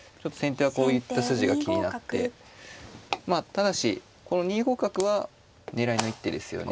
ただしこの２五角は狙いの一手ですよね。